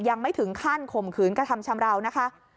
ยังไม่ถึงขั้นข่มขืนกระทำชำราวนะคะ